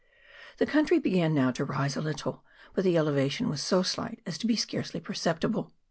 The country began now to rise a little, but the elevation was so slight as to be scarcely perceptible.